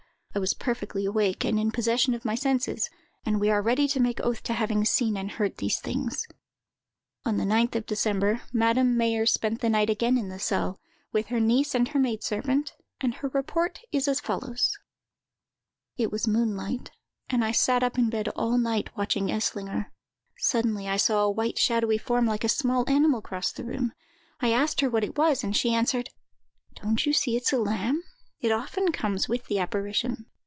I was perfectly awake, and in possession of my senses; and we are ready to make oath to having seen and heard these things." On the 9th of December, Madame Mayer spent the night again in the cell, with her niece and her maid servant; and her report is as follows:— "It was moonlight, and I sat up in bed all night, watching Eslinger. Suddenly I saw a white shadowy form, like a small animal, cross the room. I asked her what it was; and she answered, 'Don't you see it's a lamb? It often comes with the apparition.